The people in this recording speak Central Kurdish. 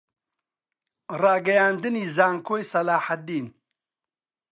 ڕاگەیاندنی زانکۆی سەلاحەددین